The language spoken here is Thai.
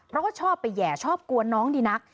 แล้วก็ชอบไปแห่ชอบกวนน้องดีนัก